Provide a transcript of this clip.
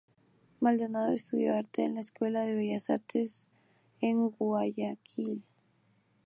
Maldonado Estudió arte en la Escuela de Bellas artes en Guayaquil.